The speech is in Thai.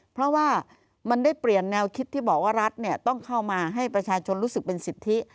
เพราะว่ามันได้เปลี่ยนแนวคิดที่บอกว่ารัฐต้องเข้ามาให้ประชาชนรู้สึกเป็นสิทธิ